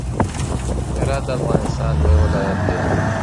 هرات د افغانستان لوی ولایت دی.